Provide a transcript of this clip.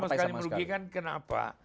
sama sekali merugikan kenapa